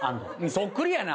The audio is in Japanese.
そっくりやな。